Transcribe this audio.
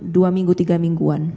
dua minggu tiga mingguan